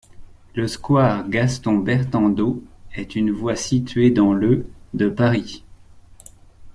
Le square Gaston-Bertandeau est une voie située dans le de Paris.